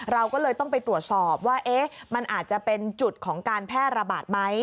เราก็เลยต้องไปตรวจสอบว่ามันอาจจะเป็นจุดของการแพร่ระบาดไหม